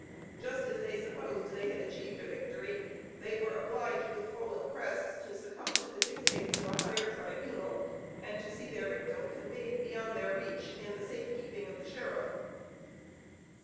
Just as they supposed they had achieved a victory, they were obliged with fallen crests, to succumb to the dictates of a higher tribunal, and to see their victim conveyed beyond their reach in the safe keeping of the sheriff.